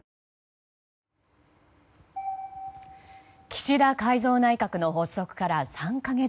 岸田改造内閣の発足から３か月。